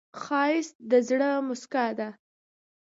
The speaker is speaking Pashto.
ښایست د زړه موسکا ده